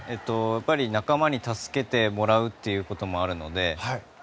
やっぱり仲間に助けてもらうということもあるので。